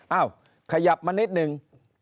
เอ้าขยับมานิดนึง